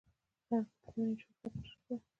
زردالو د وینې جوړښت ته ګټه رسوي.